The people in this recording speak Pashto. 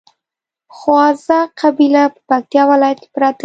خواځک قبيله په پکتیا ولايت کې پراته دي